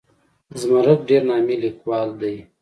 زمرک ډېر نامي لیکوال دی.